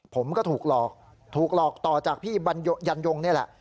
ผมก็ถูกหลอกถูกหลอกต่อจากพี่ยันยงนี่แหละ